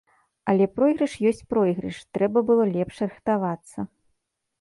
Але пройгрыш ёсць пройгрыш, трэба было лепш рыхтавацца.